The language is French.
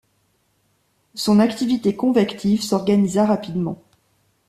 Son activité convective s'organisa rapidement.